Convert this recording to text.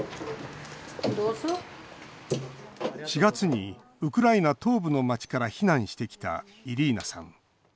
４月にウクライナ東部の町から避難してきた、イリーナさん。